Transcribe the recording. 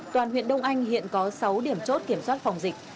toàn huyện đông anh hiện có sáu điểm chốt kiểm soát phòng dịch